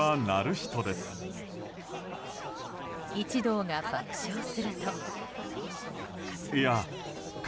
一同が爆笑すると。